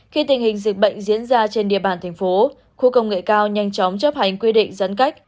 khi tình hình dịch bệnh diễn ra trên địa bàn thành phố khu công nghệ cao nhanh chóng chấp hành quy định dắn cách